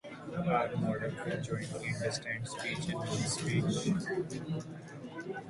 A virtual office can allow for low-cost expansion with no long-term commitments.